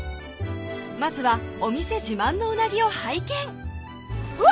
まずはお店自慢のうなぎを拝見うわ！